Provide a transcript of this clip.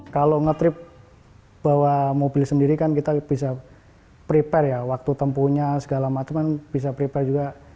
kalau nge trip bawa mobil sendiri kan kita bisa prepare ya waktu tempuhnya segala macam kan bisa prepare juga